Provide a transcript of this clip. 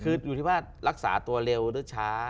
คืออยู่ที่ว่ารักษาตัวเร็วหรือช้า